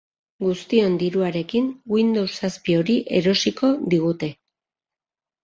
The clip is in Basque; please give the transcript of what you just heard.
Guztion diruarekin Windows zazpi hori erosiko digute.